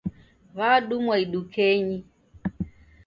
W'adumwa idukenyi.